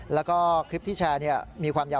แล้วก็คลิปที่แชร์มีความยาว